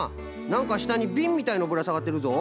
なんかしたにビンみたいのぶらさがってるぞ。